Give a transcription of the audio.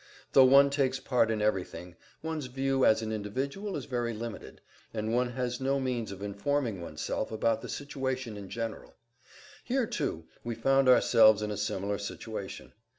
Though one takes part in everything, one's view as an individual is very limited, and one has no means of informing oneself about the situation in general. Here, too, we found ourselves in a similar situation.